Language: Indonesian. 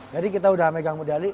jadi kita udah megang medali